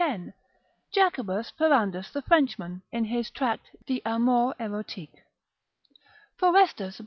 Jacobus Ferrandus the Frenchman, in his Tract de amore Erotique, Forestus lib.